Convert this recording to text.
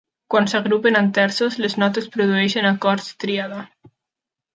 Quan s'agrupen en terços, les notes produeixen acords tríada.